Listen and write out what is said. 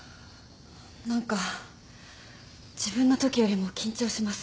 何か自分のときよりも緊張します。